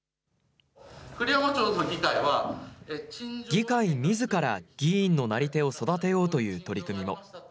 議会みずから議員のなり手を育てようという取り組みも。